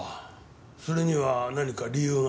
それには何か理由が？